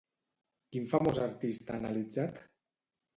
Quin famós artista ha analitzat?